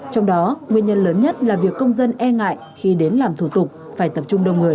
trong đó nguyên nhân lớn nhất là việc công dân e ngại khi đến làm thủ tục phải tập trung đông người